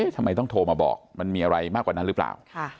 ทำไมต้องโทรมาบอกมันมีอะไรมากกว่านั้นหรือเปล่า